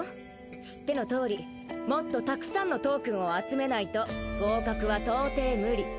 知ってのとおりもっとたくさんのトークンを集めないと合格は到底無理。